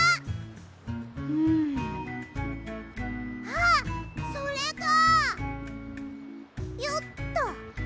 あっそれかよっと。